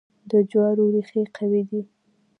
د جوارو ریښې قوي دي.